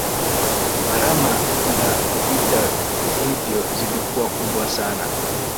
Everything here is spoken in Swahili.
gharama za vita hivyo zilikuwa kubwa sana